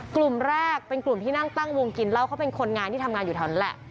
กลุ่มแรกเป็นกลุ่มที่นั่งตั้งวงกินเหล้าเขาเป็นคนงานที่ทำงานอยู่แถวนั้นแหละ